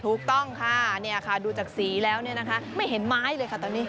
ถูกต้องค่ะดูจากสีแล้วเนี่ยนะคะไม่เห็นไม้เลยค่ะตอนนี้